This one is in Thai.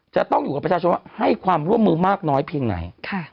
จะต้องอยู่กับประชาชนว่าให้ความร่วมมือมากน้อยเพียงไหน